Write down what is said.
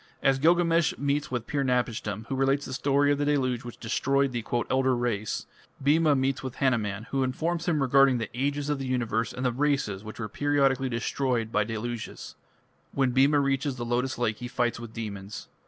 As Gilgamesh meets with Pir napishtim, who relates the story of the Deluge which destroyed the "elder race", Bhima meets with Hanuman, who informs him regarding the Ages of the Universe and the races which were periodically destroyed by deluges. When Bhima reaches the lotus lake he fights with demons.